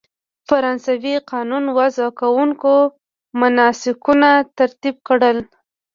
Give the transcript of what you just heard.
فرانسوي قانون وضع کوونکو مناسکونه ترتیب کړل.